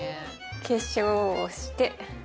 化粧をして。